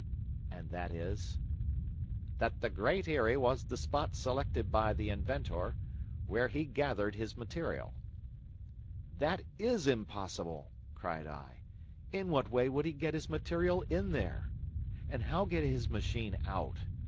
"And that is?" "That the Great Eyrie was the spot selected by the inventor, where he gathered his material." "That is impossible!" cried I. "In what way would he get his material in there? And how get his machine out?